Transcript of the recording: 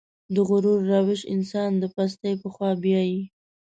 د غرور روش انسان د پستۍ په خوا بيايي.